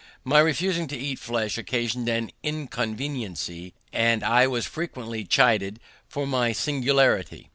My refusing to eat flesh occasioned an inconveniency, and I was frequently chid for my singularity.